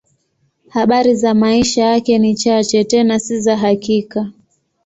Habari za maisha yake ni chache, tena si za hakika.